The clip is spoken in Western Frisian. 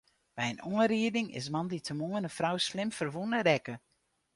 By in oanriding is moandeitemoarn in frou slim ferwûne rekke.